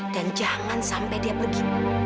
dan jangan sampai dia pergi